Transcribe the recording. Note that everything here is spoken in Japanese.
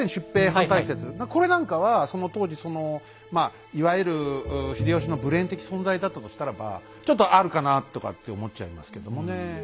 これなんかは当時そのいわゆる秀吉のブレーン的存在だったとしたらばちょっとあるかなとかって思っちゃいますけどもね。